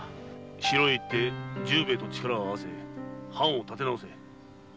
城へ行って重兵衛と力を合わせて藩を立て直せ。